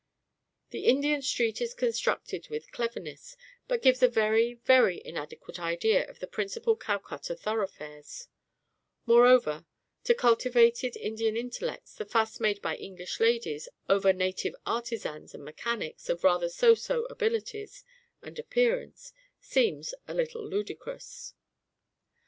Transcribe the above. The Indian street is constructed with cleverness, but gives a very, very inadequate idea of the principal Calcutta thoroughfares; moreover, to cultivated Indian intellects, the fuss made by English ladies over native artisans and mechanics of rather so so abilities and appearance seems a little ludicrous!